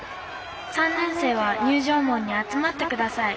３年生は入場門に集まってください」。